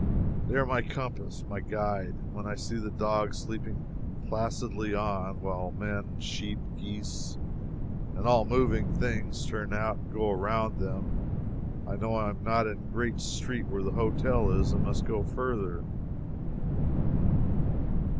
They are my compass my guide. When I see the dogs sleep placidly on, while men, sheep, geese, and all moving things turn out and go around them, I know I am not in the great street where the hotel is, and must go further.